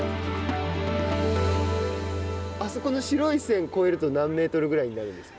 あそこの白い線を超えると何メートルぐらいになるんですか。